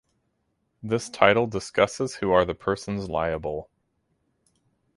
This title discusses who are the persons liable.